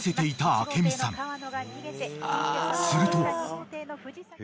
［すると］